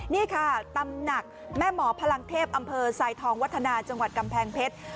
นี่ค่ะตำหนักแม่หมอพลังเทพอำเภอทรายทองวัฒนาจังหวัดกำแพงเพชร